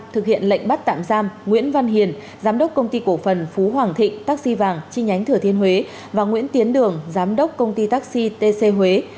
thực hiện lệnh bắt tạm giam nguyễn văn hiền giám đốc công ty cổ phần phú hoàng thịnh taxi vàng chi nhánh thừa thiên huế và nguyễn tiến đường giám đốc công ty taxi tc huế